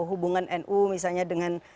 hubungan no misalnya dengan